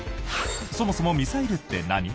そもそもミサイルって何？